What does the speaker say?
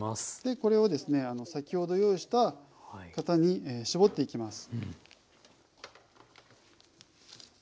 これをですね先ほど用意した型に絞っていきます。